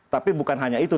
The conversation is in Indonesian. tapi bukan hanya itu